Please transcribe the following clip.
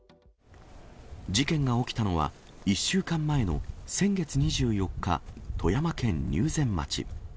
事件が起きたのは、１週間前の先月２４日、富山県入善町。